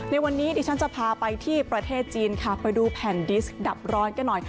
ในวันนี้ดิฉันจะพาไปที่ประเทศจีนค่ะไปดูแผ่นดิสดับร้อนกันหน่อย